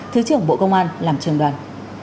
thứ trưởng bộ công an làm trường đoàn